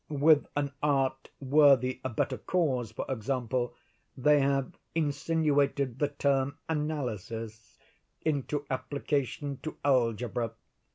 With an art worthy a better cause, for example, they have insinuated the term 'analysis' into application to algebra.